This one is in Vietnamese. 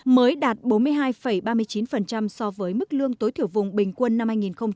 mới đạt bốn mươi hai ba mươi chín so với mức lương tối thiểu vùng bình quân năm hai nghìn một mươi chín